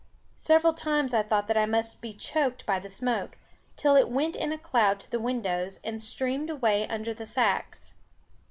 Several times I thought that I must be choked by the smoke, till it went in a cloud to the windows, and streamed away under the sacks.